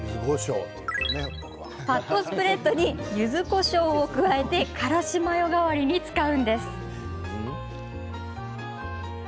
ファットスプレッドにゆずこしょうを加えてからしマヨ代わりに使うんです。